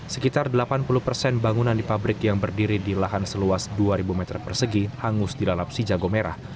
sekitar delapan puluh persen bangunan di pabrik yang berdiri di lahan seluas dua ribu meter persegi hangus dilalap si jago merah